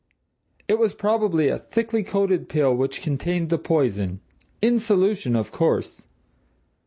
It was probably a thickly coated pill which contained the poison; in solution of course.